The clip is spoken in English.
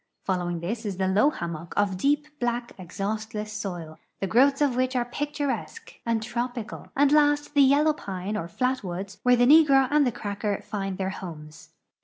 Following this is the low hammock of deep, black, exhaustless soil, the growths of which are picturesque and trop ical, and last the yellow pine or flat woods where the negro and the cracker find their liomes.